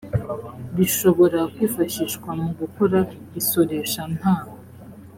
bishobora kwifashishwa mu gukora isoresha nta